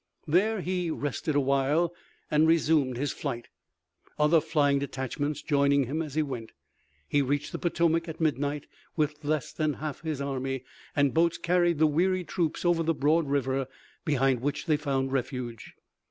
There he rested a while and resumed his flight, other flying detachments joining him as he went. He reached the Potomac at midnight with less than half of his army, and boats carried the wearied troops over the broad river behind which they found refuge.